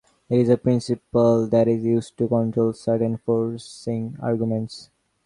It is a principle that is used to control certain forcing arguments.